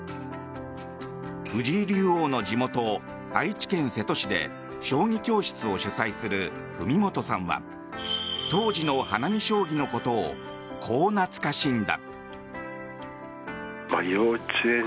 藤井竜王の地元、愛知県瀬戸市で将棋教室を主宰する文本さんは当時の花見将棋のことをこう懐かしんだ。